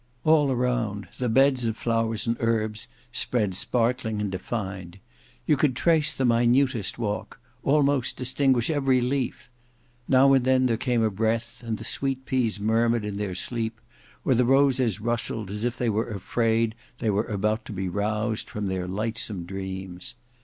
All around the beds of flowers and herbs spread sparkling and defined. You could trace the minutest walk; almost distinguish every leaf. Now and then there came a breath, and the sweet peas murmured in their sleep; or the roses rustled, as if they were afraid they were about to be roused from their lightsome dreams.